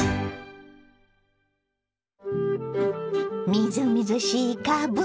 みずみずしいかぶ。